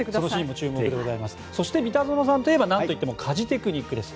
そして三田園さんといえば何といっても家事テクニックです。